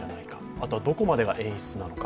あとはどこまでが演出なのか。